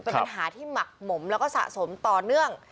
เป็นปัญหาที่หมักหมมแล้วก็สะสมต่อเนื่อง